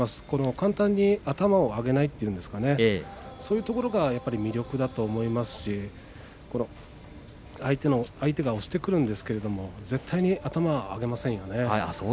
簡単に頭を上げないといいますかそういうところが魅力だと思いますし相手が押してきますが、絶対に頭を上げませんよね。